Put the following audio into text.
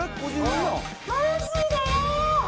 マジでー！